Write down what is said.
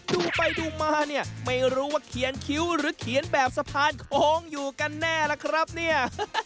ดูไปดูมาเนี่ยไม่รู้ว่าเขียนคิ้วหรือเขียนแบบสะพานโค้งอยู่กันแน่ล่ะครับเนี่ย